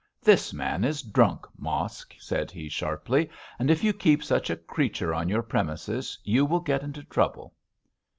'This man is drunk, Mosk,' said he, sharply, 'and if you keep such a creature on your premises you will get into trouble.'